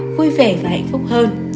vui vẻ và hạnh phúc hơn